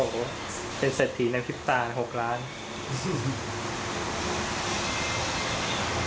โอ้โฮเป็นเศรษฐีในวิจาณ๖ล้านบาท